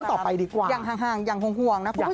ต่อไปดีกว่ายังห่างยังห่วงนะคุณผู้ชม